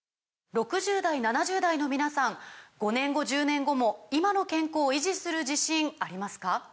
６０代７０代の皆さん５年後１０年後も今の健康維持する自信ありますか？